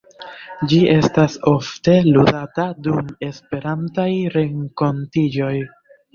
Ĝi estas ofte ludata dum Esperantaj renkontiĝoj.